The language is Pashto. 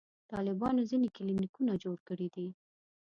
طالبانو ځینې کلینیکونه جوړ کړي دي.